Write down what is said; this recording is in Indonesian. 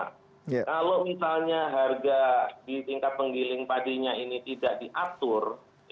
kalau misalnya harga di tingkat penggiling padinya ini tidak diatur